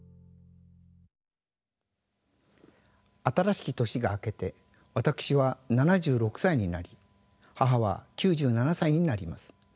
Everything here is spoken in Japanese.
新しき年が明けて私は７６歳になり母は９７歳になります。